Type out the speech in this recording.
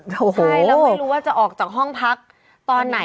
ใช่แล้วไม่รู้ว่าจะออกจากห้องพักตอนไหน